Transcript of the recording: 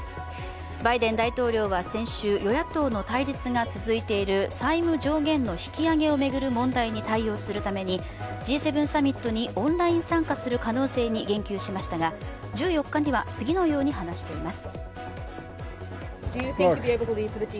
バイデン大統領は先週、与野党の対立が続いている債務上限の引き上げを巡る問題に対応するためにＧ７サミットにオンライン参加する可能性に言及しましたが１４日には次のように話しています。